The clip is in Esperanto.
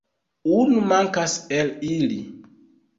Unu mankas el ili.